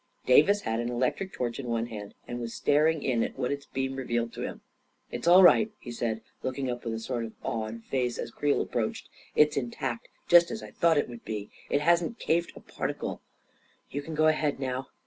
Davis had an electric torch in one hand, and was staring in at what its beam revealed to him. u It's all right," he said, looking up with a sort of awed face, as Creel approached. " It's intact, just as I thought it would be. It hasn't caved a par ticle. You can go ahead now."